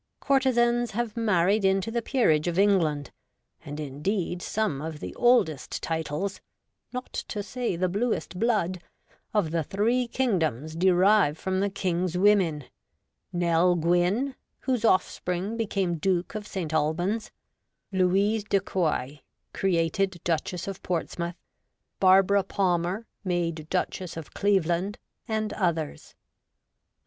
Courtesans have married into the peerage of England, and, indeed, some of the oldest titles — not to say the bluest blood — of the three kingdoms derive from the king's women : Nell Gwynne, whose offspring became Duke of Saint Albans ; Louise de Querouaille, created Duchess of Portsmouth ; Barbara Palmer, made Duchess of Cleveland ; and others.